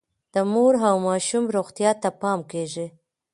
د مور او ماشوم روغتیا ته پام کیږي.